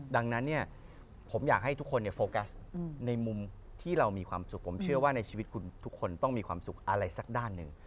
ดังนั้นเนี่ยผมอยากให้ทุกคนโฟกัสในมุมที่เรามีความสุขผมเชื่อว่าในชีวิตคุณทุกคนต้องมีความสุขอะไรสักด้านหนึ่ง